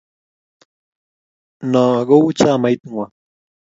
Noo ko kou chamait ng'wang.